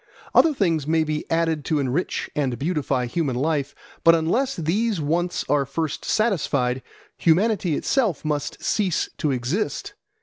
Other things may be added to enrich and beautify human life, but unless these wants are first satisfied, humanity itself must cease to exist.